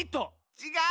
ちがう！